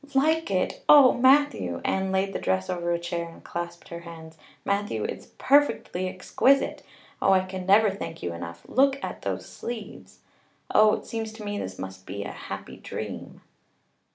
"Like it! Oh, Matthew!" Anne laid the dress over a chair and clasped her hands. "Matthew, it's perfectly exquisite. Oh, I can never thank you enough. Look at those sleeves! Oh, it seems to me this must be a happy dream."